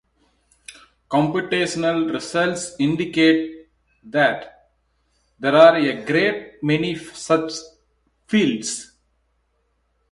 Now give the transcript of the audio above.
Computational results indicate that there are a great many such fields.